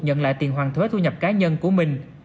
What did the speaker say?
nhận lại tiền hoàn thuế thu nhập cá nhân của mình